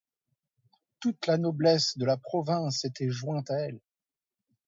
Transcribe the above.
Toute la noblesse de la province s'était jointe à elle.